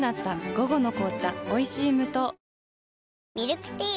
午後の紅茶おいしい無糖ミルクティー